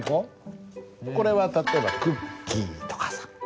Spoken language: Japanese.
これは例えばクッキーとかさ。